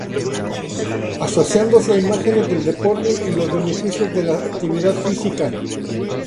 Asociándose a imágenes del deporte y los beneficios de la actividad física.